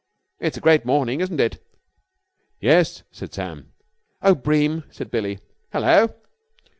"It's a great morning, isn't it?" "Yes," said Sam. "Oh, Bream!" said Billie. "Hello?"